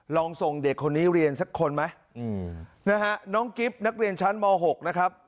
ลองส่งเด็กคนนี้เรียนสักคนไหมอืมนะฮะน้องกิ๊บนักเรียนชั้นม๖นะครับ